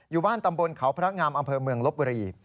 อยู่บ้านตำบลเขาพระงามอำเภอเมืองลบบุรี